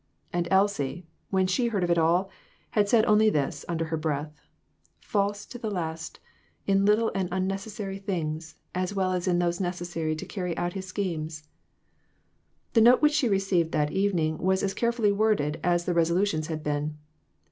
And Elsie, when she heard of it all, had said only this, under her breath "False to the last ; in little and unnecessary things, as well as in those necessary to carry out his schemes !" The note which she received that evening was as carefully worded as the resolutions had been.